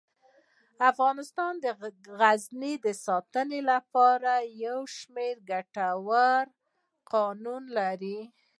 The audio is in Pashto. افغانستان د غزني د ساتنې لپاره یو شمیر ګټور قوانین لري.